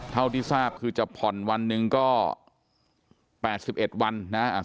เท่าที่ทราบคือจะผ่อนวันหนึ่งก็๘๑วันนะครับ